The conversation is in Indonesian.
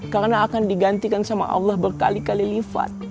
karena akan digantikan oleh allah berkali kali lipat